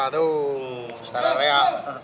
tuh setara raya